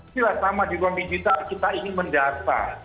silah sama di ruang digital kita ini mendata